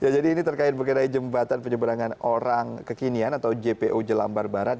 ini terkait mengenai jembatan penyeberangan orang kekinian atau jpo jelambar barat